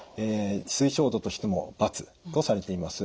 推奨度としても×とされています。